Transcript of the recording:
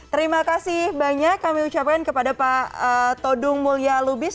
terima kasih banyak kami ucapkan kepada pak todung mulya lubis